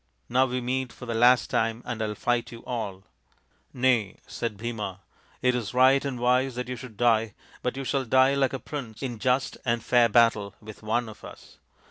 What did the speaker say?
Now we meet for the last time and I will fight you all." " Nay," said Bhima, " it is right and wise that you should die, but you shall die like a prince in just and fair battle with one of us.